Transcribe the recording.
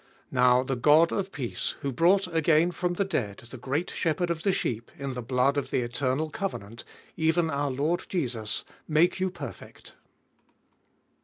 Now the God of peace, who brought again from the dead the great shepherd of the sheep in the blood of the eternal covenant, even our Lord Jesus, 21. Make you perfect.